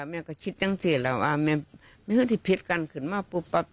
แม่ครับแม่ครับแม่ครับ